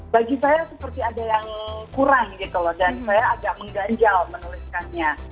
bagi saya seperti ada yang kurang gitu loh dan saya agak mengganjal menuliskannya